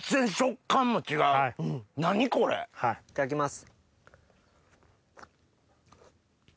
いただきます。